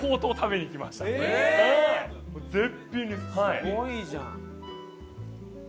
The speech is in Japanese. すごいじゃん。